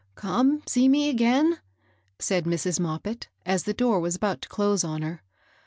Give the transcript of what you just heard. ^^ Come see me again," said Mrs. Moppit, as the door was about to close on her.